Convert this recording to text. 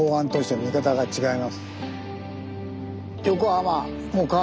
はい。